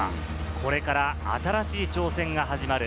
これから新しい挑戦が始まる。